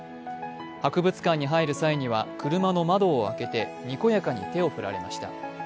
博物館に入る際には車の窓を開けてにこやかに手を振られました。